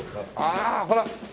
あらほら。